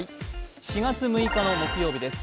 ４月６日木曜日です。